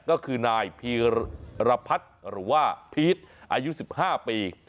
ก็คือนายพีรพัฒน์หรือว่าพีชอายุ๑๕ปี